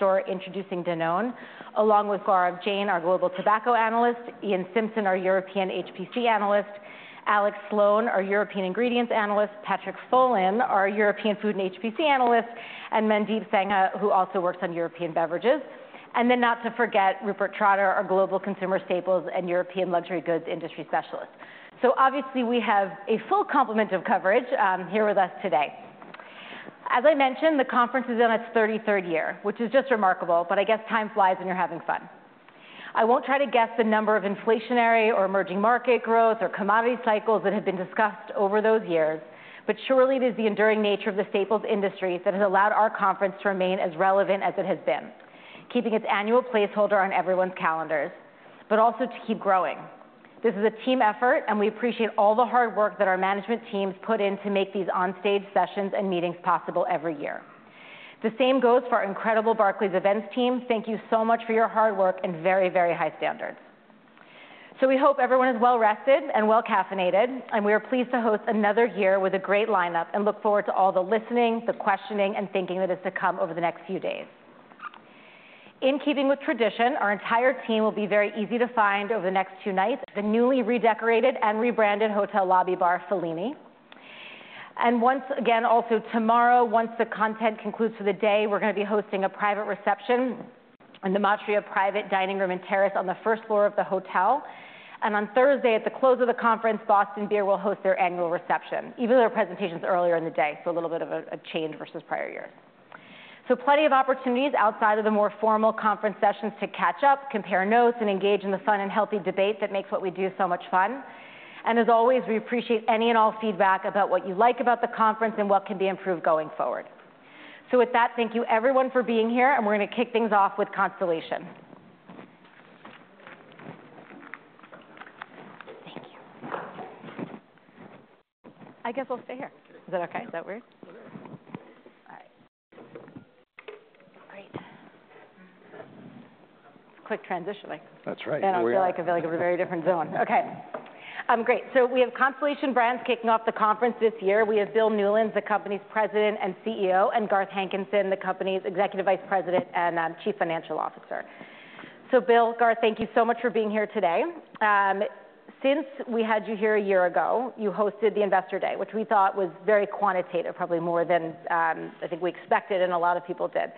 Introducing Danone, along with Gaurav Jain, our Global Tobacco Analyst, Ian Simpson, our European HPC Analyst, Alex Sloane, our European Ingredients Analyst, Patrick Folan, our European Food and HPC Analyst, and Mandeep Sangha, who also works on European Beverages and then not to forget, Rupert Trotter, our Global Consumer Staples and European Luxury Goods Industry Specialist, so obviously, we have a full complement of coverage here with us today. As I mentioned, the conference is in its thirty-third year, which is just remarkable, but I guess time flies when you're having fun. I won't try to guess the number of inflationary or emerging market growth or commodity cycles that have been discussed over those years, but surely it is the enduring nature of the staples industry that has allowed our conference to remain as relevant as it has been, keeping its annual placeholder on everyone's calendars, but also to keep growing. This is a team effort, and we appreciate all the hard work that our management teams put in to make these on-stage sessions and meetings possible every year. The same goes for our incredible Barclays events team. Thank you so much for your hard work and very, very high standards. So we hope everyone is well rested and well-caffeinated, and we are pleased to host another year with a great lineup and look forward to all the listening, the questioning, and thinking that is to come over the next few days. In keeping with tradition, our entire team will be very easy to find over the next two nights at the newly redecorated and rebranded hotel lobby bar, Fellini, and once again, also tomorrow, once the content concludes for the day, we're going to be hosting a private reception in the Matria Private Dining Room and Terrace on the first floor of the hotel, and on Thursday, at the close of the conference, Boston Beer will host their annual reception, even though their presentation is earlier in the day, so a little bit of a, a change versus prior years, so plenty of opportunities outside of the more formal conference sessions to catch up, compare notes, and engage in the fun and healthy debate that makes what we do so much fun. And as always, we appreciate any and all feedback about what you like about the conference and what can be improved going forward. So with that, thank you everyone for being here, and we're going to kick things off with Constellation. Thank you. I guess I'll stay here. Is that okay? Is that weird? It's okay. All right. All right. Quick transitioning. That's right. Here we are. I feel like I'm in a very different zone. Okay. Great. We have Constellation Brands kicking off the conference this year. We have Bill Newlands, the company's President and CEO, and Garth Hankinson, the company's Executive Vice President and Chief Financial Officer. Bill, Garth, thank you so much for being here today. Since we had you here a year ago, you hosted the Investor Day, which we thought was very quantitative, probably more than I think we expected, and a lot of people did.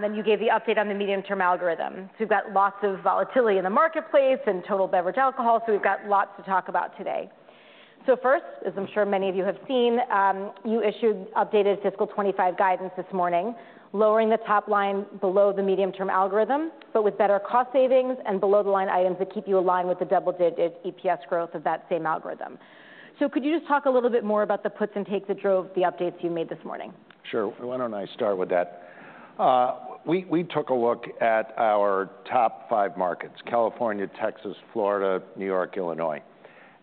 Then you gave the update on the medium-term algorithm. We've got lots of volatility in the marketplace and total beverage alcohol, so we've got lots to talk about today. So first, as I'm sure many of you have seen, you issued updated fiscal 2025 guidance this morning, lowering the top line below the Medium-Term Algorithm, but with better cost savings and below-the-line items that keep you aligned with the double-digit EPS growth of that same algorithm. So could you just talk a little bit more about the puts and takes that drove the updates you made this morning? Sure. Why don't I start with that? We took a look at our top five markets, California, Texas, Florida, New York, Illinois,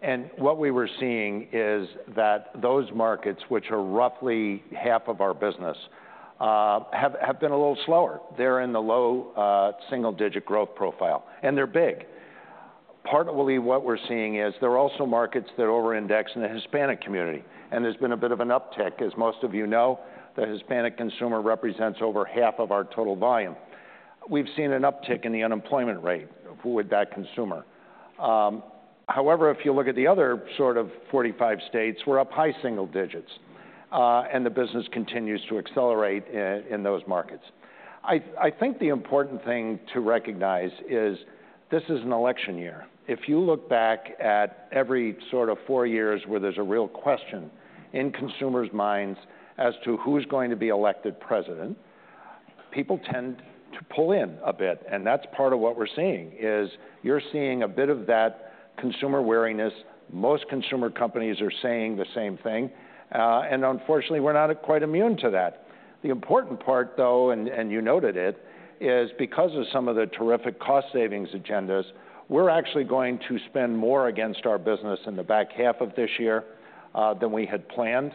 and what we were seeing is that those markets, which are roughly half of our business, have been a little slower. They're in the low single-digit growth profile, and they're big. Partly, what we're seeing is there are also markets that are over-indexed in the Hispanic community, and there's been a bit of an uptick. As most of you know, the Hispanic consumer represents over half of our total volume. We've seen an uptick in the unemployment rate with that consumer. However, if you look at the other sort of forty-five states, we're up high single digits, and the business continues to accelerate in those markets. I think the important thing to recognize is this is an election year. If you look back at every sort of four years where there's a real question in consumers' minds as to who's going to be elected president, people tend to pull in a bit, and that's part of what we're seeing, is you're seeing a bit of that consumer wariness. Most consumer companies are saying the same thing, and unfortunately, we're not quite immune to that. The important part, though, and you noted it, is because of some of the terrific cost savings agendas, we're actually going to spend more against our business in the back half of this year, than we had planned.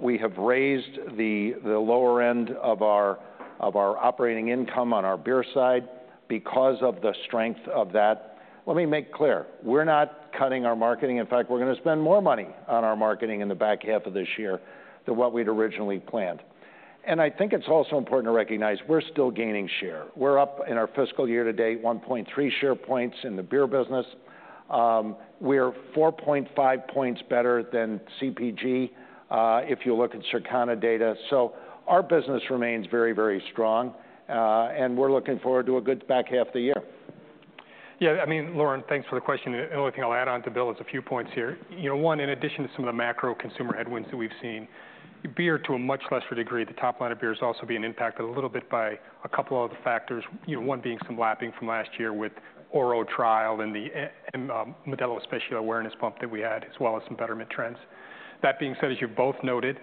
We have raised the lower end of our operating income on our beer side because of the strength of that. Let me make clear, we're not cutting our marketing. In fact, we're going to spend more money on our marketing in the back half of this year than what we'd originally planned. And I think it's also important to recognize we're still gaining share. We're up in our fiscal year to date, 1.3 share points in the beer business. We're 4.5 points better than CPG, if you look at Circana data. So our business remains very, very strong, and we're looking forward to a good back half of the year. Yeah, I mean, Lauren, thanks for the question, and the only thing I'll add on to Bill is a few points here. You know, one, in addition to some of the macro consumer headwinds that we've seen, beer, to a much lesser degree, the top line of beer is also being impacted a little bit by a couple of other factors. You know, one being some lapping from last year with Modelo Oro and the Modelo Especial awareness pump that we had, as well as some betterment trends. That being said, as you both noted,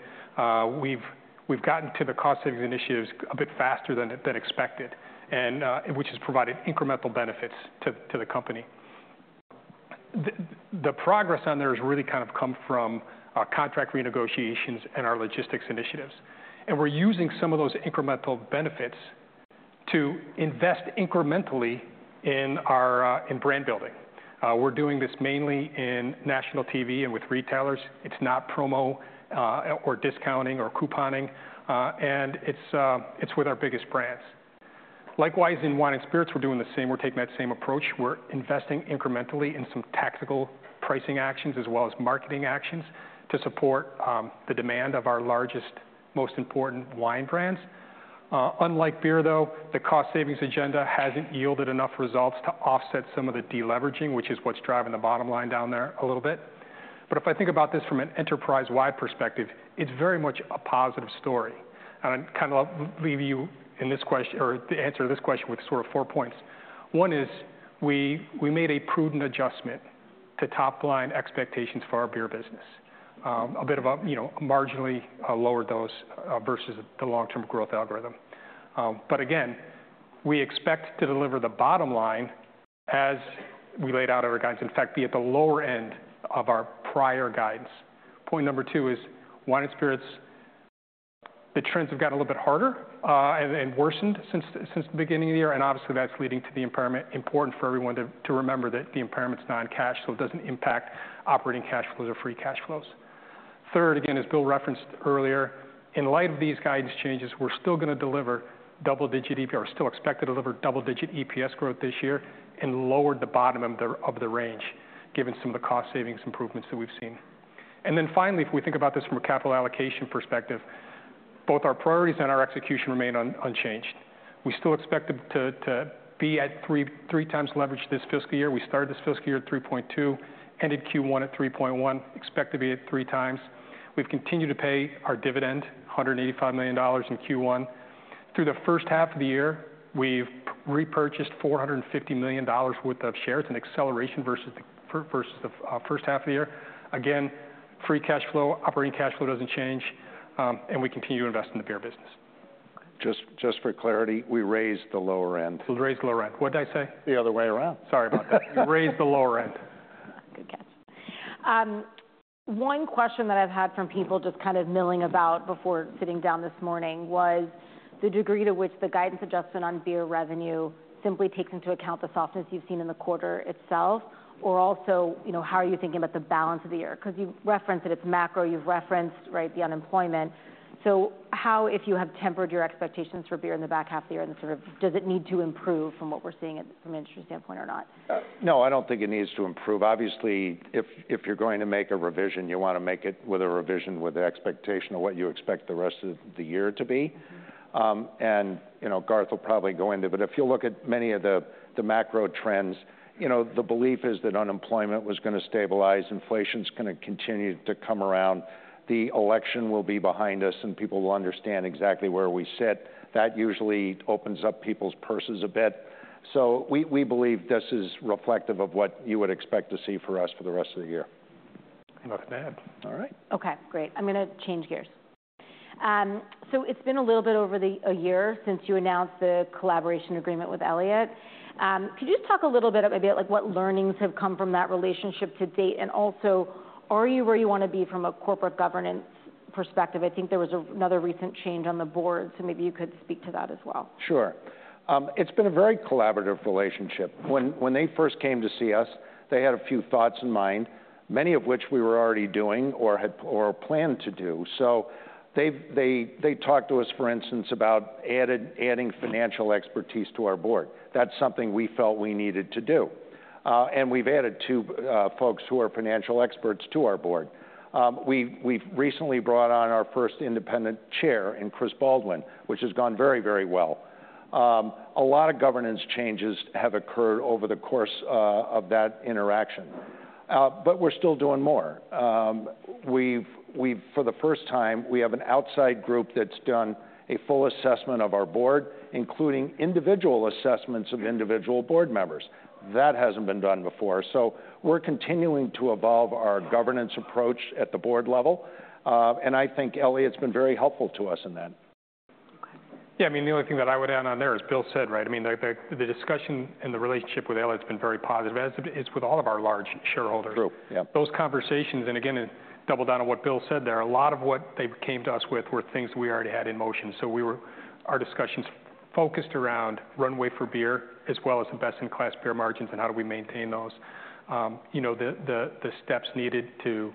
we've gotten to the cost savings initiatives a bit faster than expected and which has provided incremental benefits to the company. The progress on there has really kind of come from our contract renegotiations and our logistics initiatives, and we're using some of those incremental benefits-... to invest incrementally in our in brand building. We're doing this mainly in national TV and with retailers. It's not promo or discounting or couponing, and it's with our biggest brands. Likewise, in wine and spirits, we're doing the same. We're taking that same approach. We're investing incrementally in some tactical pricing actions as well as marketing actions to support the demand of our largest, most important wine brands. Unlike beer, though, the cost savings agenda hasn't yielded enough results to offset some of the deleveraging, which is what's driving the bottom line down there a little bit. But if I think about this from an enterprise-wide perspective, it's very much a positive story, and I kind of leave you in this question or the answer to this question with sort of four points. One is, we made a prudent adjustment to top-line expectations for our beer business. A bit of a, you know, marginally lower dose versus the long-term growth algorithm. But again, we expect to deliver the bottom line as we laid out our guidance, in fact, be at the lower end of our prior guidance. Point number two is wine and spirits. The trends have got a little bit harder and worsened since the beginning of the year, and obviously, that's leading to the impairment. Important for everyone to remember that the impairment's non-cash, so it doesn't impact operating cash flows or free cash flows. Third, again, as Bill referenced earlier, in light of these guidance changes, we're still gonna deliver double-digit EPS... or still expect to deliver double-digit EPS growth this year and lower the bottom of the range, given some of the cost savings improvements that we've seen. And then finally, if we think about this from a capital allocation perspective, both our priorities and our execution remain unchanged. We still expect it to be at three times leverage this fiscal year. We started this fiscal year at three point two, ended Q1 at three point one, expect to be at three times. We've continued to pay our dividend, $185 million in Q1. Through the first half of the year, we've repurchased $450 million worth of shares, an acceleration versus the first half of the year. Again, free cash flow, operating cash flow doesn't change, and we continue to invest in the beer business. Just, just for clarity, we raised the lower end. We raised the lower end. What'd I say? The other way around. Sorry about that. Raised the lower end. Good catch. One question that I've had from people just kind of milling about before sitting down this morning was the degree to which the guidance adjustment on beer revenue simply takes into account the softness you've seen in the quarter itself, or also, you know, how are you thinking about the balance of the year? Because you've referenced that it's macro, you've referenced, right, the unemployment. So how, if you have tempered your expectations for beer in the back half of the year, and sort of does it need to improve from what we're seeing at, from an industry standpoint or not? No, I don't think it needs to improve. Obviously, if you're going to make a revision, you want to make a revision with the expectation of what you expect the rest of the year to be. And you know, Garth will probably go into it, but if you look at many of the macro trends, you know, the belief is that unemployment was gonna stabilize, inflation's gonna continue to come around, the election will be behind us, and people will understand exactly where we sit. That usually opens up people's purses a bit. So we believe this is reflective of what you would expect to see for us for the rest of the year. Not bad. All right. Okay, great. I'm gonna change gears. So it's been a little bit over a year since you announced the collaboration agreement with Elliott. Could you just talk a little bit about, like, what learnings have come from that relationship to date? And also, are you where you want to be from a corporate governance perspective? I think there was another recent change on the board, so maybe you could speak to that as well. Sure. It's been a very collaborative relationship. When they first came to see us, they had a few thoughts in mind, many of which we were already doing or had or planned to do, so they've talked to us, for instance, about adding financial expertise to our board. That's something we felt we needed to do, and we've added two folks, who are financial experts, to our board. We've recently brought on our first independent Chair in Chris Baldwin, which has gone very, very well. A lot of governance changes have occurred over the course of that interaction, but we're still doing more. For the first time, we have an outside group that's done a full assessment of our board, including individual assessments of individual board members. That hasn't been done before. So we're continuing to evolve our governance approach at the board level, and I think Elliott's been very helpful to us in that. Okay. Yeah, I mean, the only thing that I would add on there, as Bill said, right, I mean, the discussion and the relationship with Elliott has been very positive, as it is with all of our large shareholders. True, yeah. Those conversations, and again, to double down on what Bill said there, a lot of what they came to us with were things we already had in motion. So we were. Our discussions focused around runway for beer as well as best-in-class beer margins and how do we maintain those. You know, the steps needed to,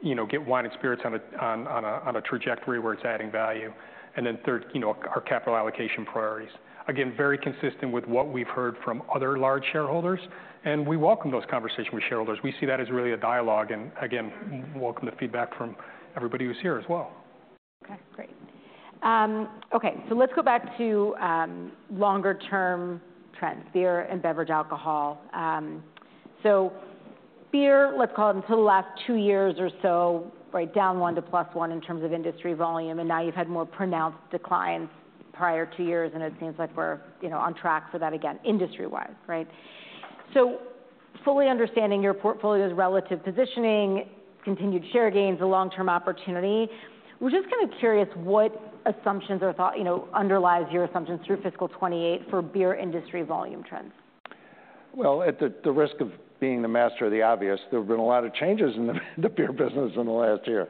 you know, get wine and spirits on a trajectory where it's adding value, and then third, you know, our capital allocation priorities. Again, very consistent with what we've heard from other large shareholders, and we welcome those conversations with shareholders. We see that as really a dialogue, and again, welcome the feedback from everybody who's here as well. Okay, great. Okay, so let's go back to longer-term trends, beer and beverage alcohol. So beer, let's call it until the last two years or so, right down one to plus one in terms of industry volume, and now you've had more pronounced declines prior two years, and it seems like we're, you know, on track for that again, industry-wise, right? So fully understanding your portfolio's relative positioning, continued share gains, and long-term opportunity, we're just kind of curious what assumptions or thought, you know, underlies your assumptions through fiscal 2028 for beer industry volume trends? Well, at the risk of being the master of the obvious, there have been a lot of changes in the beer business in the last year.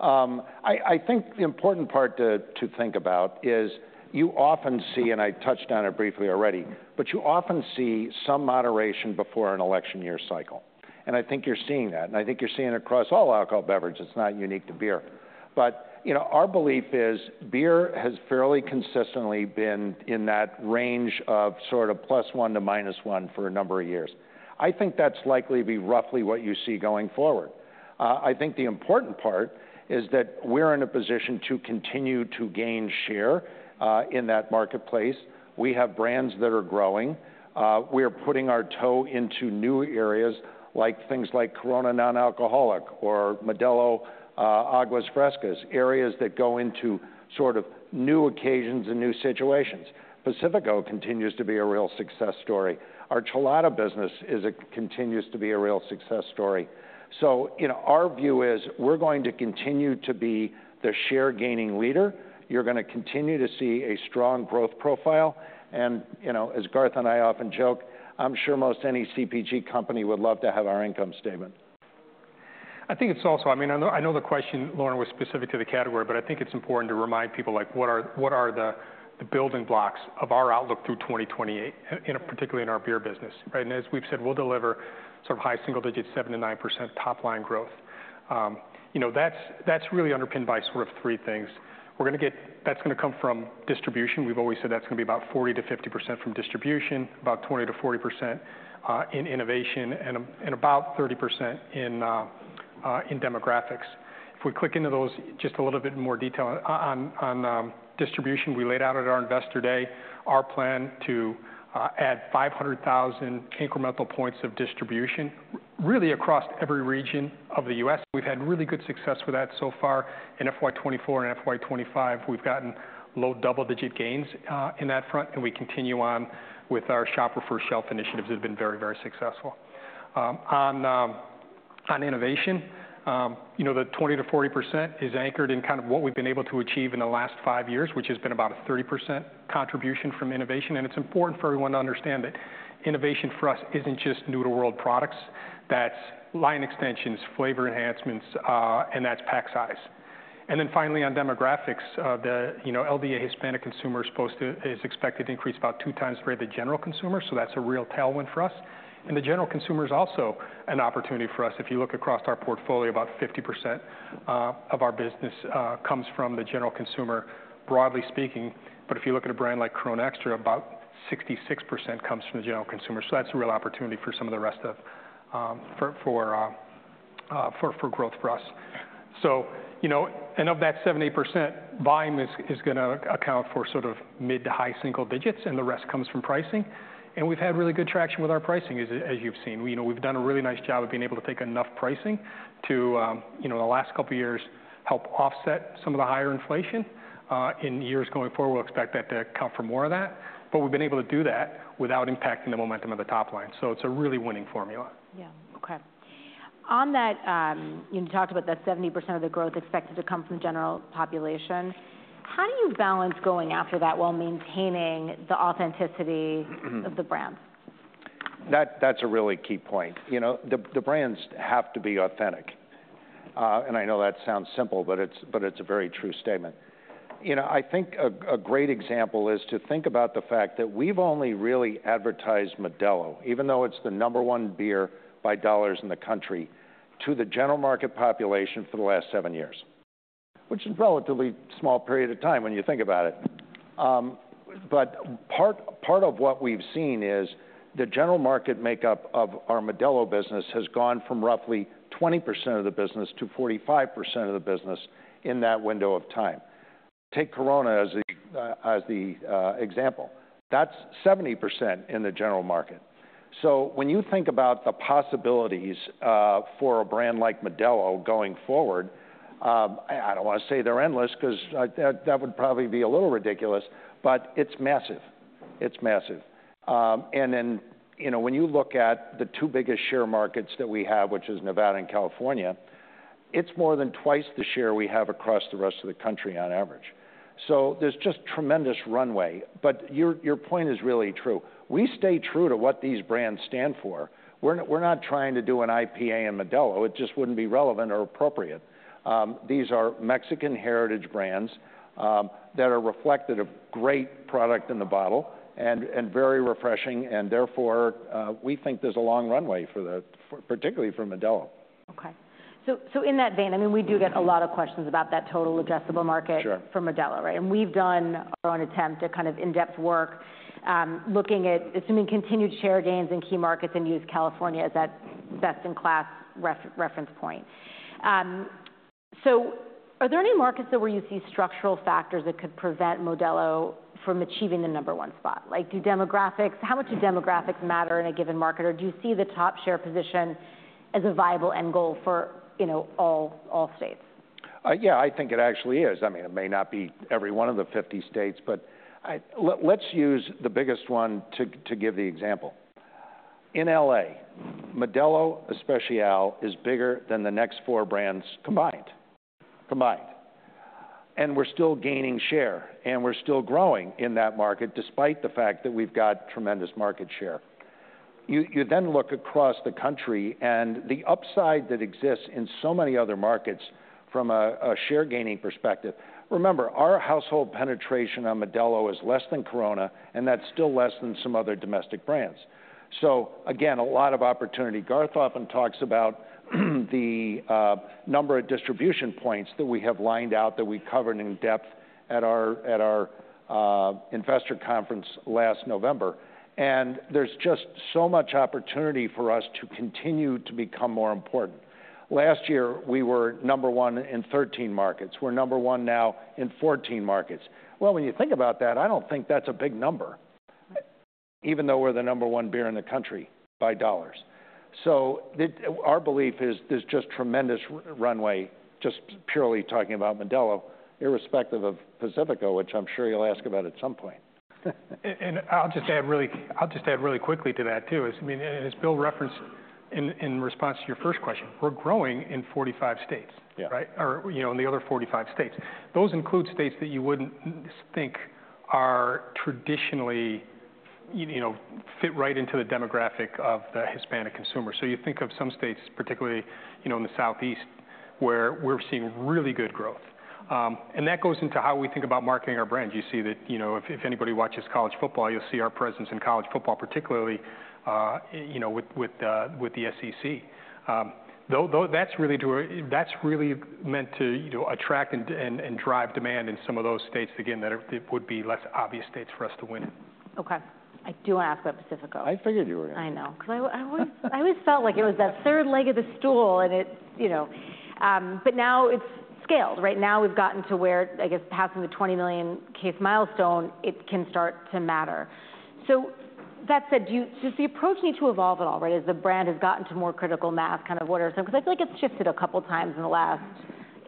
I think the important part to think about is you often see, and I touched on it briefly already, but you often see some moderation before an election year cycle, and I think you're seeing that, and I think you're seeing it across all alcohol beverage. It's not unique to beer. But you know, our belief is beer has fairly consistently been in that range of sort of plus one to minus one for a number of years. I think that's likely to be roughly what you see going forward. I think the important part is that we're in a position to continue to gain share in that marketplace. We have brands that are growing. We are putting our toe into new areas, like things like Corona Non-Alcoholic or Modelo Aguas Frescas, areas that go into sort of new occasions and new situations. Pacifico continues to be a real success story. Our Chelada business continues to be a real success story. So, you know, our view is we're going to continue to be the share-gaining leader. You're gonna continue to see a strong growth profile, and, you know, as Garth and I often joke, I'm sure most any CPG company would love to have our income statement. I think it's also. I mean, I know, I know the question, Lauren, was specific to the category, but I think it's important to remind people, like, what are, what are the, the building blocks of our outlook through 2028, in, particularly in our beer business, right? And as we've said, we'll deliver some high single digits, 7-9% top-line growth. You know, that's, that's really underpinned by sort of three things. That's gonna come from distribution. We've always said that's gonna be about 40-50% from distribution, about 20-40% in innovation, and about 30% in demographics. If we click into those, just a little bit more detail. On distribution, we laid out at our Investor Day our plan to add 500,000 incremental points of distribution, really across every region of the U.S. We've had really good success with that so far. In FY24 and FY25, we've gotten low double-digit gains in that front, and we continue on with our Shopper-First Shelf initiatives that have been very, very successful. On innovation, you know, the 20%-40% is anchored in kind of what we've been able to achieve in the last five years, which has been about a 30% contribution from innovation, and it's important for everyone to understand that innovation for us isn't just new-to-the-world products. That's line extensions, flavor enhancements, and that's pack size. Finally, on demographics, you know, the LDA Hispanic consumer is expected to increase about two times the rate of the general consumer, so that's a real tailwind for us. The general consumer is also an opportunity for us. If you look across our portfolio, about 50% of our business comes from the general consumer, broadly speaking. If you look at a brand like Corona Extra, about 66% comes from the general consumer, so that's a real opportunity for some of the rest of, for growth for us. You know, of that 70%-80%, volume is gonna account for sort of mid- to high-single-digits, and the rest comes from pricing. We've had really good traction with our pricing, as you've seen. We know we've done a really nice job of being able to take enough pricing to, you know, the last couple of years, help offset some of the higher inflation. In years going forward, we'll expect that to account for more of that, but we've been able to do that without impacting the momentum of the top line. So it's a really winning formula. Yeah. Okay. On that, you talked about that 70% of the growth expected to come from the general population. How do you balance going after that while maintaining the authenticity? Mm-hmm... of the brand? That, that's a really key point. You know, the brands have to be authentic. And I know that sounds simple, but it's a very true statement. You know, I think a great example is to think about the fact that we've only really advertised Modelo, even though it's the number one beer by dollars in the country, to the general market population for the last seven years, which is a relatively small period of time when you think about it. But part of what we've seen is the general market makeup of our Modelo business has gone from roughly 20% of the business to 45% of the business in that window of time. Take Corona as the example. That's 70% in the general market. So when you think about the possibilities, for a brand like Modelo going forward, I don't want to say they're endless, 'cause that would probably be a little ridiculous, but it's massive. It's massive. And then, you know, when you look at the two biggest share markets that we have, which is Nevada and California, it's more than twice the share we have across the rest of the country on average. So there's just tremendous runway. But your point is really true. We stay true to what these brands stand for. We're not trying to do an IPA in Modelo. It just wouldn't be relevant or appropriate. These are Mexican heritage brands that are reflective of great product in the bottle and very refreshing, and therefore, we think there's a long runway for particularly for Modelo. Okay. So, so in that vein, I mean, we do get a lot of questions about that total addressable market- Sure... for Modelo, right? And we've done our own attempt at kind of in-depth work, looking at assuming continued share gains in key markets and use California as that best-in-class reference point. So are there any markets that where you see structural factors that could prevent Modelo from achieving the number one spot? Like, how much do demographics matter in a given market, or do you see the top share position as a viable end goal for, you know, all states? Yeah, I think it actually is. I mean, it may not be every one of the 50 states, but let's use the biggest one to give the example. In LA, Modelo Especial is bigger than the next four brands combined, and we're still gaining share, and we're still growing in that market, despite the fact that we've got tremendous market share. You then look across the country, and the upside that exists in so many other markets from a share gaining perspective. Remember, our household penetration on Modelo is less than Corona, and that's still less than some other domestic brands. So again, a lot of opportunity. Garth often talks about the number of distribution points that we have lined out, that we covered in depth at our investor conference last November. There's just so much opportunity for us to continue to become more important. Last year, we were number one in thirteen markets. We're number one now in fourteen markets. When you think about that, I don't think that's a big number, even though we're the number one beer in the country by dollars. Our belief is there's just tremendous runway, just purely talking about Modelo, irrespective of Pacifico, which I'm sure you'll ask about at some point. And I'll just add really quickly to that, too. I mean, as Bill referenced in response to your first question, we're growing in 45 states. Yeah. Right? Or, you know, in the other 45 states. Those include states that you wouldn't think are traditionally, you know, fit right into the demographic of the Hispanic consumer. So you think of some states, particularly, you know, in the Southeast, where we're seeing really good growth. And that goes into how we think about marketing our brands. You see that, you know, if anybody watches college football, you'll see our presence in college football, particularly, you know, with the SEC. Though that's really meant to, you know, attract and drive demand in some of those states, again, that it would be less obvious states for us to win. Okay, I do want to ask about Pacifico. I figured you were gonna. I know, 'cause I always felt like it was that third leg of the stool, and it. You know, but now it's scaled. Right now, we've gotten to where, I guess, passing the 20 million case milestone, it can start to matter. So that said, do you does the approach need to evolve at all, right, as the brand has gotten to more critical mass, kind of order? So because I feel like it's shifted a couple times in the last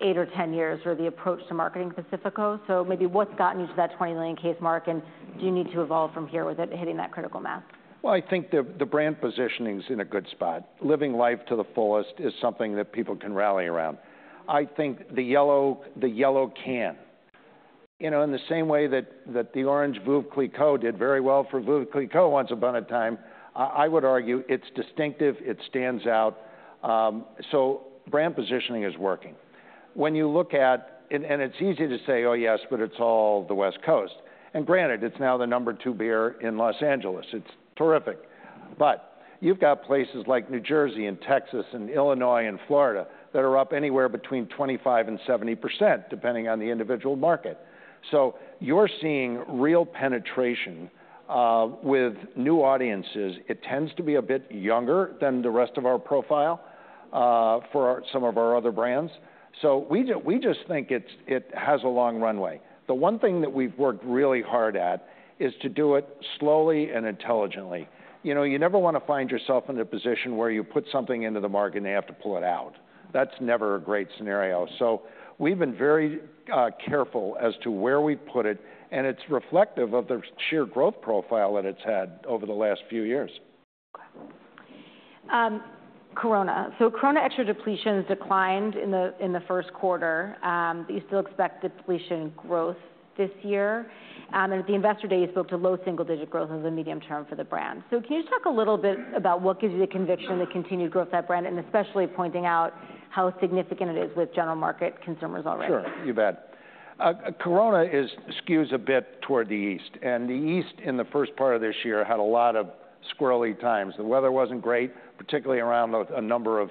8 or 10 years, or the approach to marketing Pacifico. So maybe what's gotten you to that 20 million case mark, and do you need to evolve from here with it hitting that critical mass? I think the brand positioning's in a good spot. Living life to the fullest is something that people can rally around. I think the yellow can, you know, in the same way that the orange Veuve Clicquot did very well for Veuve Clicquot once upon a time. I would argue it's distinctive. It stands out. Brand positioning is working. It's easy to say, "Oh, yes, but it's all the West Coast." Granted, it's now the number two beer in Los Angeles. It's terrific. You've got places like New Jersey and Texas and Illinois and Florida that are up anywhere between 25% and 70%, depending on the individual market. You're seeing real penetration with new audiences. It tends to be a bit younger than the rest of our profile, for some of our other brands, so we just think it has a long runway. The one thing that we've worked really hard at is to do it slowly and intelligently. You know, you never want to find yourself in a position where you put something into the market, and they have to pull it out. That's never a great scenario, so we've been very careful as to where we put it, and it's reflective of the sheer growth profile that it's had over the last few years. Corona. So Corona Extra depletion has declined in the first quarter. But you still expect the depletion growth this year. And at the Investor Day, you spoke to low single-digit growth as a medium term for the brand. So can you just talk a little bit about what gives you the conviction to continue growth of that brand, and especially pointing out how significant it is with general market consumers already? Sure, you bet. Corona skews a bit toward the east, and the east, in the first part of this year, had a lot of squirrely times. The weather wasn't great, particularly around a number of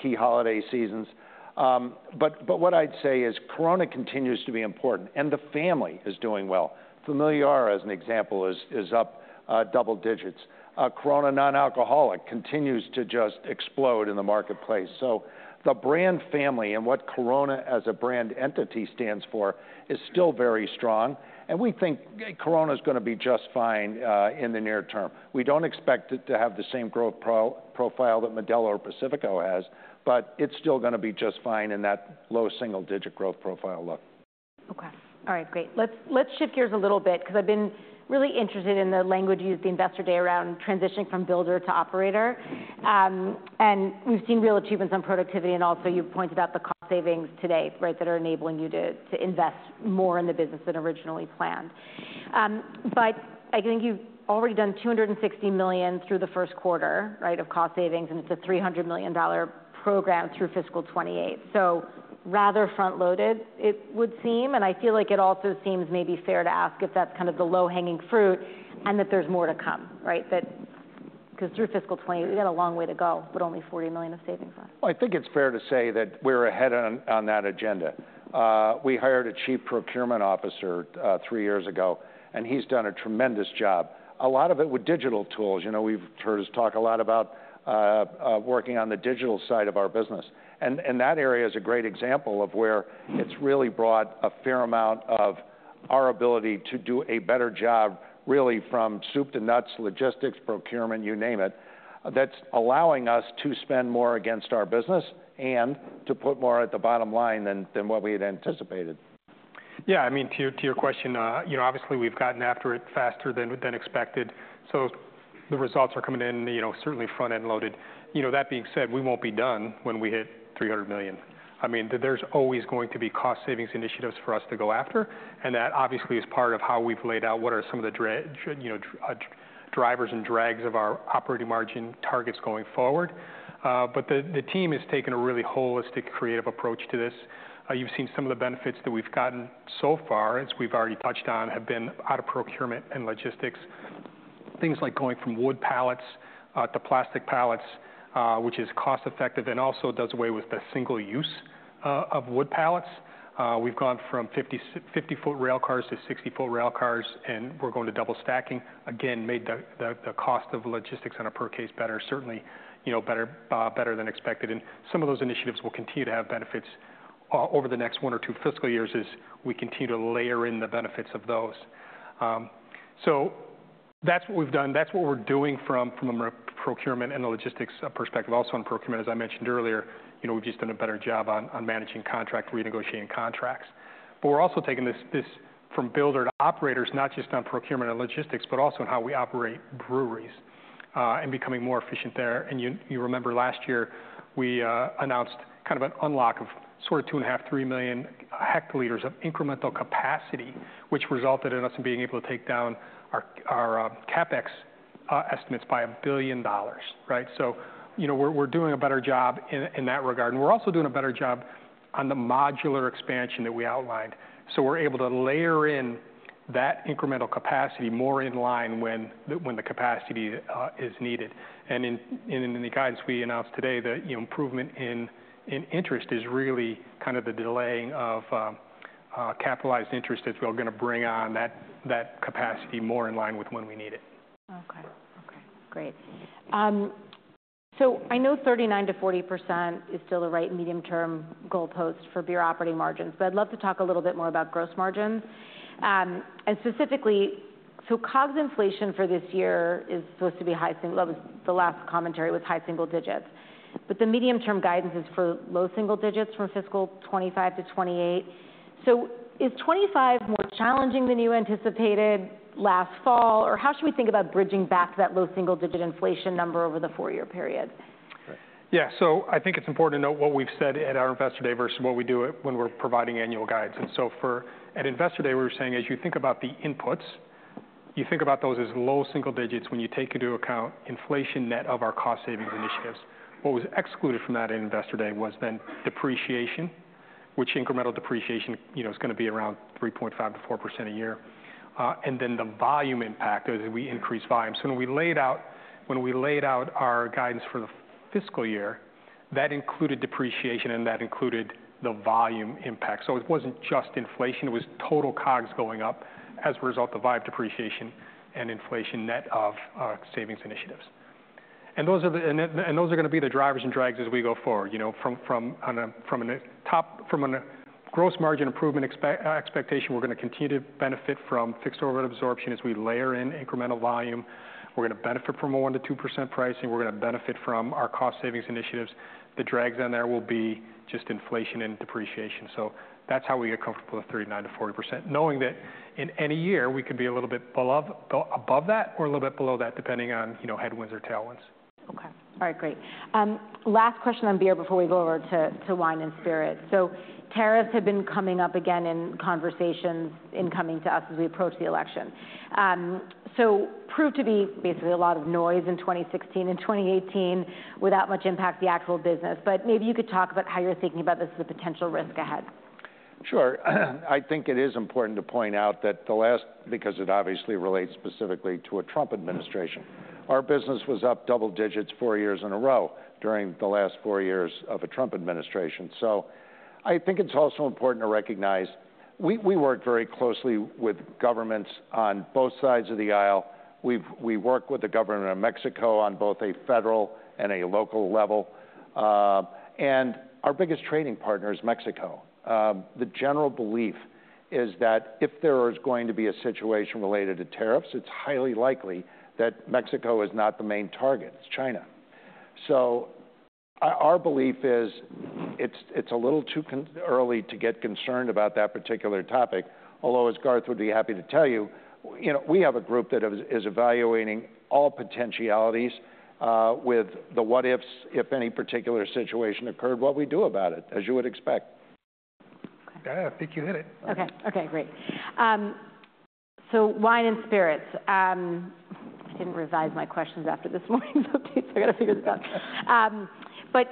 key holiday seasons. But what I'd say is Corona continues to be important, and the family is doing well. Familiar, as an example, is up double digits. Corona Non-Alcoholic continues to just explode in the marketplace. So the brand family and what Corona as a brand entity stands for is still very strong, and we think Corona's gonna be just fine in the near term. We don't expect it to have the same growth profile that Modelo or Pacifico has, but it's still gonna be just fine in that low double digit growth profile look. Okay. All right, great. Let's shift gears a little bit, because I've been really interested in the language you used at the Investor Day around transitioning from builder to operator. And we've seen real achievements on productivity, and also you've pointed out the cost savings today, right, that are enabling you to invest more in the business than originally planned. But I think you've already done $260 million through the first quarter, right, of cost savings, and it's a $300 million program through fiscal 2028. So rather front-loaded, it would seem, and I feel like it also seems maybe fair to ask if that's kind of the low-hanging fruit, and that there's more to come, right? That's 'cause through fiscal 2020, we've got a long way to go, but only $40 million of savings left. I think it's fair to say that we're ahead on that agenda. We hired a chief procurement officer three years ago, and he's done a tremendous job. A lot of it with digital tools. You know, we've heard us talk a lot about working on the digital side of our business, and that area is a great example of where it's really brought a fair amount of our ability to do a better job, really, from soup to nuts, logistics, procurement, you name it. That's allowing us to spend more against our business and to put more at the bottom line than what we had anticipated. Yeah, I mean, to your question, you know, obviously, we've gotten after it faster than expected. So the results are coming in, you know, certainly front-end loaded. You know, that being said, we won't be done when we hit $300 million. I mean, there's always going to be cost savings initiatives for us to go after, and that obviously is part of how we've laid out what are some of the drivers and drags of our operating margin targets going forward. But the team has taken a really holistic, creative approach to this. You've seen some of the benefits that we've gotten so far, as we've already touched on, have been out of procurement and logistics. Things like going from wood pallets to plastic pallets, which is cost-effective and also does away with the single use of wood pallets. We've gone from 50-foot rail cars to 60-foot rail cars, and we're going to double stacking. Again, made the cost of logistics on a per case better, certainly, you know, better than expected, and some of those initiatives will continue to have benefits over the next one or two fiscal years as we continue to layer in the benefits of those. So that's what we've done. That's what we're doing from a merch procurement and a logistics perspective. Also, on procurement, as I mentioned earlier, you know, we've just done a better job on managing contract, renegotiating contracts. But we're also taking this from builder to operators, not just on procurement and logistics, but also on how we operate breweries and becoming more efficient there. And you remember last year we announced kind of an unlock of sort of 2.5-3 million hectoliters of incremental capacity, which resulted in us being able to take down our CapEx estimates by $1 billion, right? So you know, we're doing a better job in that regard, and we're also doing a better job on the modular expansion that we outlined. So we're able to layer in that incremental capacity more in line when the capacity is needed. In the guidance we announced today, you know, the improvement in interest is really kind of the delaying of capitalized interest as we're gonna bring on that capacity more in line with when we need it. Okay. Okay, great. So I know 39%-40% is still the right medium-term goalpost for beer operating margins, but I'd love to talk a little bit more about gross margins. Specifically, so COGS inflation for this year is supposed to be high single digits. Well, the last commentary was high single digits, but the medium-term guidance is for low single digits from fiscal 25-28. So is 2025 more challenging than you anticipated last fall, or how should we think about bridging back that low single-digit inflation number over the four-year period? Right. Yeah, so I think it's important to note what we've said at our Investor Day versus what we do when we're providing annual guidance. And so at Investor Day, we were saying, as you think about the inputs, you think about those as low single digits when you take into account inflation net of our cost savings initiatives. What was excluded from that at Investor Day was then depreciation, which incremental depreciation, you know, is gonna be around 3.5%-4% a year, and then the volume impact as we increase volume. So when we laid out our guidance for the fiscal year, that included depreciation, and that included the volume impact. So it wasn't just inflation, it was total COGS going up as a result of the depreciation and inflation, net of, savings initiatives. And those are the... Those are gonna be the drivers and drags as we go forward. You know, from a top-line gross margin improvement expectation, we're gonna continue to benefit from fixed overhead absorption as we layer in incremental volume. We're gonna benefit from more than the 2% pricing. We're gonna benefit from our cost savings initiatives. The drags on there will be just inflation and depreciation. So that's how we get comfortable with 39%-40%, knowing that in any year, we could be a little bit above that or a little bit below that, depending on, you know, headwinds or tailwinds. Okay. All right, great. Last question on beer before we go over to wine and spirits. So tariffs have been coming up again in conversations coming to us as we approach the election. So proved to be basically a lot of noise in 2016 and 2018, without much impact, the actual business. But maybe you could talk about how you're thinking about this as a potential risk ahead. Sure. I think it is important to point out that the last... Because it obviously relates specifically to a Trump administration. Our business was up double digits four years in a row during the last four years of a Trump administration. So I think it's also important to recognize, we work very closely with governments on both sides of the aisle. We work with the government of Mexico on both a federal and a local level, and our biggest trading partner is Mexico. The general belief is that if there is going to be a situation related to tariffs, it's highly likely that Mexico is not the main target, it's China. So our belief is it's a little too early to get concerned about that particular topic, although, as Garth would be happy to tell you, you know, we have a group that is evaluating all potentialities, with the what ifs, if any particular situation occurred, what we do about it, as you would expect. Yeah, I think you hit it. Okay. Okay, great. So wine and spirits. I didn't revise my questions after this morning's update, so I got to figure this out. But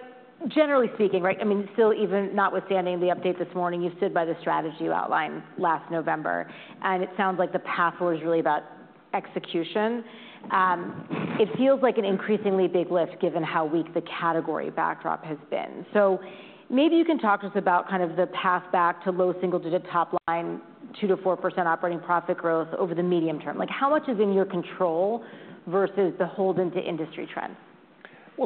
generally speaking, right, I mean, still even notwithstanding the update this morning, you stood by the strategy you outlined last November, and it sounds like the path forward is really about execution. It feels like an increasingly big lift, given how weak the category backdrop has been. So maybe you can talk to us about kind of the path back to low single-digit top line, 2%-4% operating profit growth over the medium term. Like, how much is in your control versus the hold in the industry trends?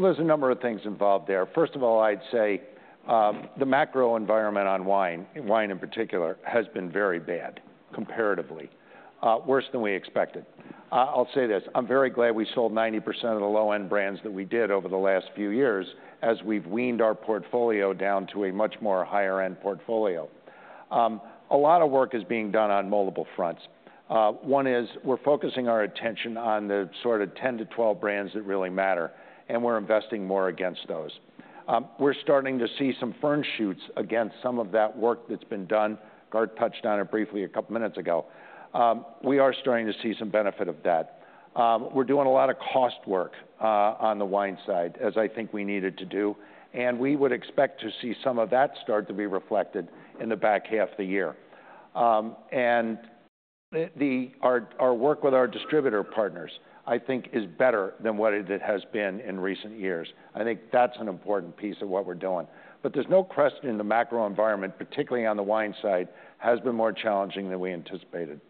There's a number of things involved there. First of all, I'd say, the macro environment on wine, wine in particular, has been very bad, comparatively, worse than we expected. I'll say this, I'm very glad we sold 90% of the low-end brands that we did over the last few years, as we've weaned our portfolio down to a much more higher-end portfolio. A lot of work is being done on multiple fronts. One is we're focusing our attention on the sort of 10-12 brands that really matter, and we're investing more against those. We're starting to see some green shoots against some of that work that's been done. Garth touched on it briefly a couple minutes ago. We are starting to see some benefit of that. We're doing a lot of cost work on the wine side, as I think we needed to do, and we would expect to see some of that start to be reflected in the back half of the year. And our work with our distributor partners, I think, is better than what it has been in recent years. I think that's an important piece of what we're doing. But there's no question the macro environment, particularly on the wine side, has been more challenging than we anticipated.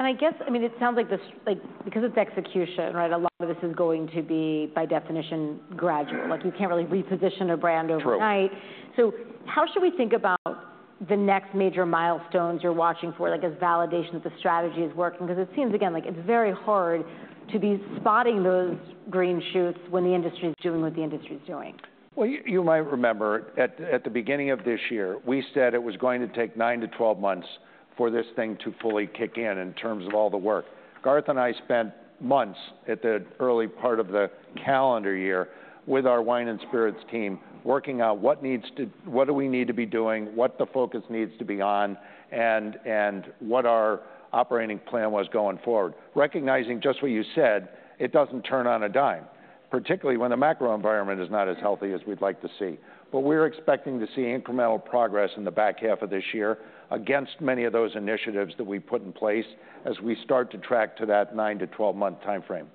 Okay, and I guess, I mean, it sounds like this, like, because it's execution, right, a lot of this is going to be, by definition, gradual. Like, you can't really reposition a brand overnight. True. So how should we think about the next major milestones you're watching for, like, as validation that the strategy is working? Because it seems, again, like it's very hard to be spotting those green shoots when the industry's doing what the industry's doing. You might remember at the beginning of this year, we said it was going to take nine to 12 months for this thing to fully kick in in terms of all the work. Garth and I spent months at the early part of the calendar year with our wine and spirits team, working out what needs to—what do we need to be doing, what the focus needs to be on, and what our operating plan was going forward. Recognizing just what you said, it doesn't turn on a dime, particularly when the macro environment is not as healthy as we'd like to see. But we're expecting to see incremental progress in the back half of this year against many of those initiatives that we've put in place as we start to track to that nine-to-12-month timeframe.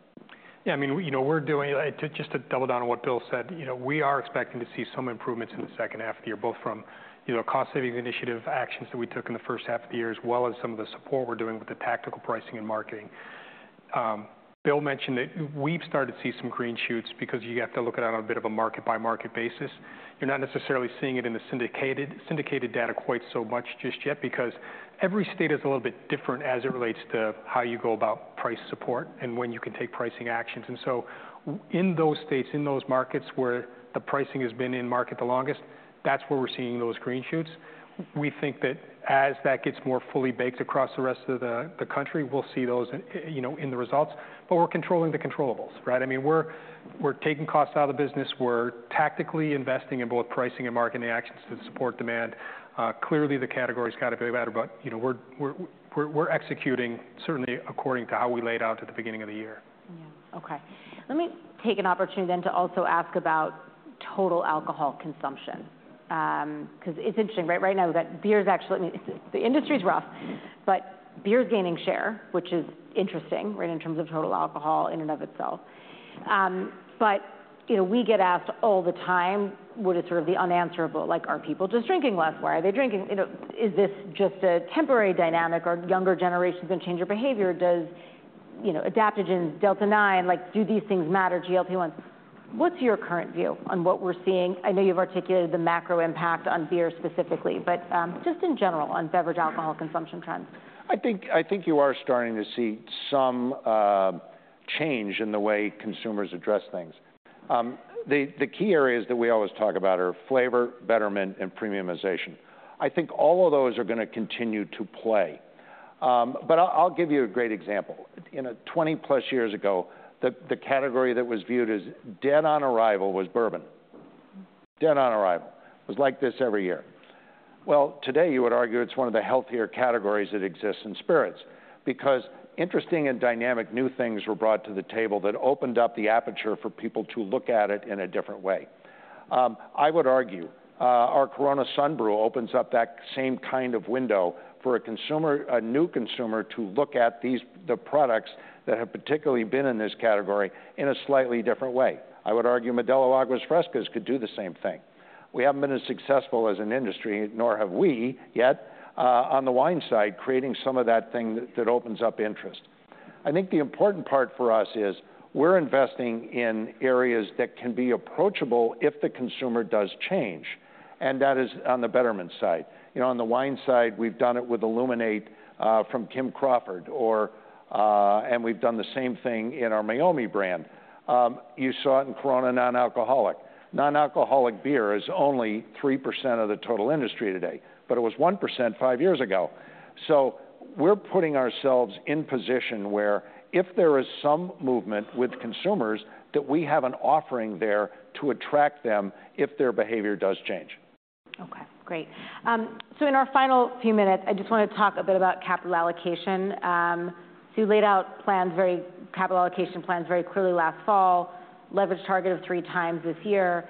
Yeah, I mean, you know, we're doing... just to double down on what Bill said, you know, we are expecting to see some improvements in the second half of the year, both from, you know, cost-saving initiative actions that we took in the first half of the year, as well as some of the support we're doing with the tactical pricing and marketing. Bill mentioned that we've started to see some green shoots because you have to look at it on a bit of a market-by-market basis. You're not necessarily seeing it in the syndicated data quite so much just yet, because every state is a little bit different as it relates to how you go about price support and when you can take pricing actions. In those states, in those markets where the pricing has been in market the longest, that's where we're seeing those green shoots. We think that as that gets more fully baked across the rest of the country, we'll see those in the results. But we're controlling the controllables, right? I mean, we're taking costs out of the business. We're tactically investing in both pricing and marketing actions to support demand. Clearly, the category's got to be better, but you know, we're executing, certainly according to how we laid out at the beginning of the year. Yeah. Okay. Let me take an opportunity then to also ask about total alcohol consumption. 'Cause it's interesting, right? Right now, we've got beer is actually I mean, the industry's rough, but beer is gaining share, which is interesting, right, in terms of total alcohol in and of itself. But, you know, we get asked all the time what is sort of the unanswerable, like, are people just drinking less? Why are they drinking? You know, is this just a temporary dynamic, or younger generations can change their behavior? Does, you know, adaptogens, Delta-9, like, do these things matter, GLP-1s? What's your current view on what we're seeing? I know you've articulated the macro impact on beer specifically, but just in general, on beverage alcohol consumption trends. I think you are starting to see some change in the way consumers address things. The key areas that we always talk about are flavor, betterment, and premiumization. I think all of those are gonna continue to play. But I'll give you a great example. You know, twenty-plus years ago, the category that was viewed as dead on arrival was bourbon. Dead on arrival. It was like this every year. Today you would argue it's one of the healthier categories that exists in spirits, because interesting and dynamic new things were brought to the table that opened up the aperture for people to look at it in a different way. I would argue, our Corona Sunbrew opens up that same kind of window for a consumer, a new consumer, to look at these, the products that have particularly been in this category in a slightly different way. I would argue Modelo Aguas Frescas could do the same thing. We haven't been as successful as an industry, nor have we, yet, on the wine side, creating some of that thing that opens up interest. I think the important part for us is we're investing in areas that can be approachable if the consumer does change, and that is on the betterment side. You know, on the wine side, we've done it with Illuminate from Kim Crawford or, and we've done the same thing in our Meiomi brand. You saw it in Corona Non-Alcoholic. Nonalcoholic beer is only 3% of the total industry today, but it was 1% five years ago. So we're putting ourselves in position where if there is some movement with consumers, that we have an offering there to attract them if their behavior does change. Okay, great. So in our final few minutes, I just want to talk a bit about capital allocation. So you laid out capital allocation plans very clearly last fall, leverage target of three times this year.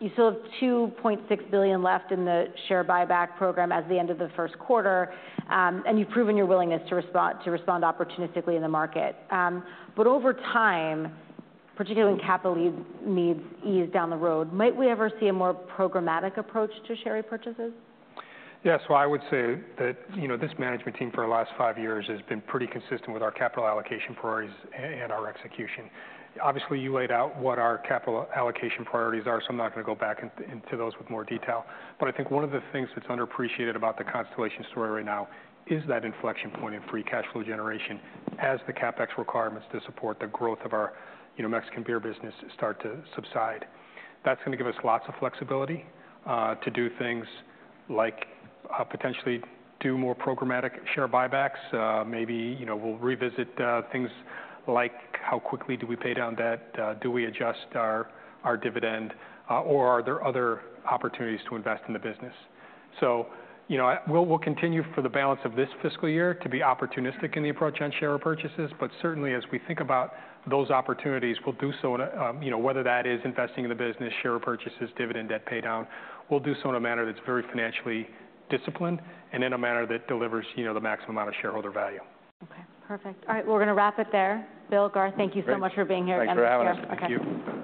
You still have $2.6 billion left in the share buyback program at the end of the first quarter, and you've proven your willingness to respond opportunistically in the market. But over time, particularly when capital needs ease down the road, might we ever see a more programmatic approach to share repurchases? Yeah, so I would say that, you know, this management team, for the last five years, has been pretty consistent with our capital allocation priorities and our execution. Obviously, you laid out what our capital allocation priorities are, so I'm not going to go back into those with more detail. But I think one of the things that's underappreciated about the Constellation story right now is that inflection point in free cash flow generation as the CapEx requirements to support the growth of our, you know, Mexican beer business start to subside. That's gonna give us lots of flexibility to do things like potentially do more programmatic share buybacks. Maybe, you know, we'll revisit things like how quickly do we pay down debt, do we adjust our dividend, or are there other opportunities to invest in the business? So you know, we'll continue for the balance of this fiscal year to be opportunistic in the approach on share repurchases, but certainly, as we think about those opportunities, we'll do so in a whether that is investing in the business, share repurchases, dividend, debt paydown, we'll do so in a manner that's very financially disciplined and in a manner that delivers, you know, the maximum amount of shareholder value. Okay, perfect. All right, we're gonna wrap it there. Bill, Garth, thank you so much for being here. Great. Thanks for having us. Thank you.